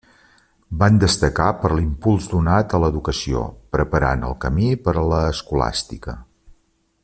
Van destacar per l'impuls donat a l'educació, preparant el camí per a l'escolàstica.